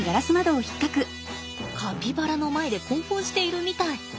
カピバラの前で興奮しているみたい。